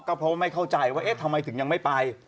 เพราะว่าไม่เข้าใจว่าเอ๊ะทำไมถึงยังไม่ไป